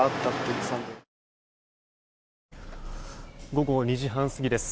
午後２時半過ぎです。